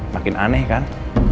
makin aneh kan